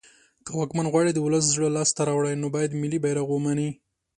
که واکمن غواړی د ولس زړه لاس ته راوړی نو باید ملی بیرغ ومنی